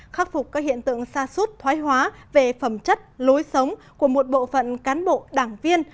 khắc phục các hiện tượng xa suốt thoái hóa về phẩm chất lối sống của một bộ phận cán bộ đảng viên